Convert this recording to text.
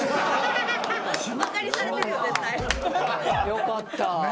よかった。